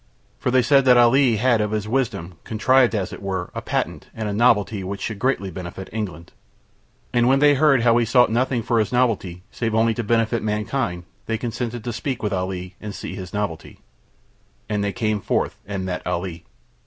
For they said that Ali had of his wisdom contrived as it were a patent and a novelty which should greatly benefit England. And when they heard how he sought nothing for his novelty save only to benefit mankind they consented to speak with Ali and see his novelty. And they came forth and met Ali.